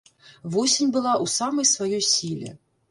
Восень была ў самай сваёй сіле.